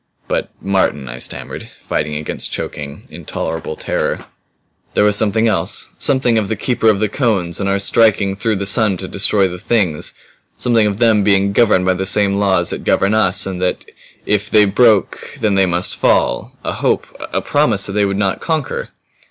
"But Martin," I stammered, fighting against choking, intolerable terror, "there was something else. Something of the Keeper of the Cones and of our striking through the sun to destroy the Things something of them being governed by the same laws that govern us and that if they broke them they must fall. A hope a PROMISE, that they would NOT conquer."